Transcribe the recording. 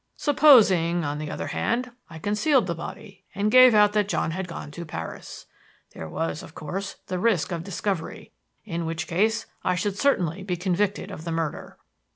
"Supposing, on the other hand, I concealed the body and gave out that John had gone to Paris. There was, of course, the risk of discovery, in which case I should certainly be convicted of the murder.